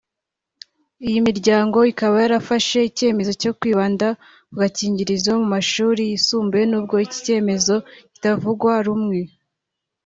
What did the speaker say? Iyi miryango ikaba yarafashe icyemezo cyo kwibanda ku gakingirizo mu mashuri yisumbuye n’ubwo iki cyemezo kitavugwaho rumwe